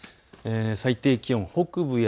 最低気温、北部や